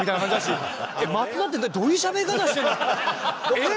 「えっ！？」